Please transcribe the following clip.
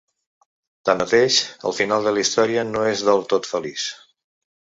Tanmateix, el final de la història no és del tot feliç.